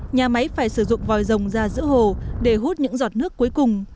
nhà máy phải sử dụng vòi rồng ra giữa hồ để hút những giọt nước cuối cùng